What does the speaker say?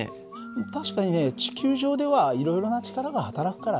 確かにね地球上ではいろいろな力がはたらくからね。